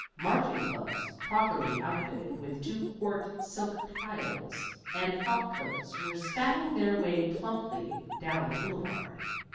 Marching clubs, properly outfitted with two quart silk tiles and frock coats, were spatting their way plumply down the Boulevard.